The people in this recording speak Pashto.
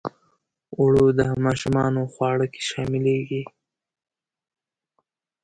اوړه د ماشومانو خواړه کې شاملیږي